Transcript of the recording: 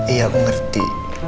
iya aku ngerti